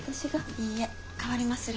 いいえ代わりまする。